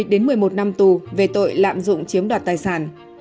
một mươi đến một mươi một năm tù về tội lạm dụng chiếm đoạt tài sản